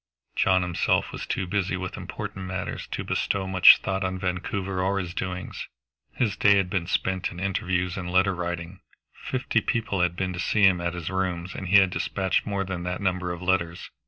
John himself was too busy with important matters to bestow much thought on Vancouver or his doings. His day had been spent in interviews and letter writing; fifty people had been to see him at his rooms, and he had dispatched more than that number of letters.